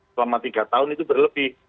selama tiga tahun itu berlebih